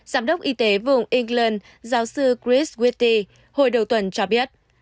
giám đốc y tế vùng england giáo sư chris witti hồi đầu tuần cho biết